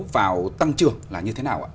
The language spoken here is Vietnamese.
vào tăng trưởng là như thế nào ạ